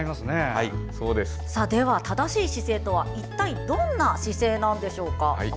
正しい姿勢とは一体どんな姿勢なのでしょうか。